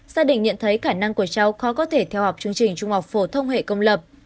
gia đình nhận thấy khả năng của cháu khó có thể theo học chương trình trung học phổ thông hệ công lập